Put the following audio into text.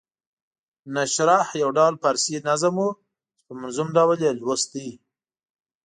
نشرح یو ډول فارسي نظم وو چې په منظوم ډول یې لوست.